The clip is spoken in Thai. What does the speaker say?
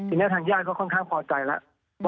ทีนี้ทางญาติก็ค่อนข้างพอใจแล้ว